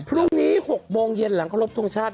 พรุ่งนี้๖โมงเย็นหลังเคารพทงชาติ